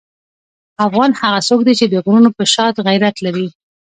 افغان هغه څوک دی چې د غرونو په شان غیرت لري.